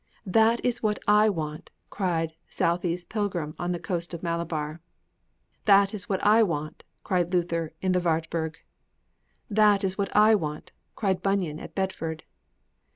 'That is what I want!' cried Southey's pilgrim on the coast of Malabar. 'That is what I want!' cried Luther in the Wartburg. 'That is what I want!' cried Bunyan at Bedford.